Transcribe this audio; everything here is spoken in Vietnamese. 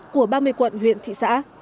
của ba mươi quận huyện thị xã